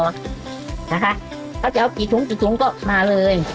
นะคะถ้าจะเอากี่ถุงก็มาเลย